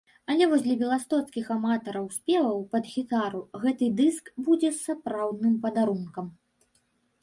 А вось для беластоцкіх аматараў спеваў пад гітару гэты дыск будзе сапраўдным падарункам.